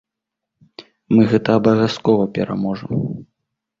Мы гэта абавязкова пераможам.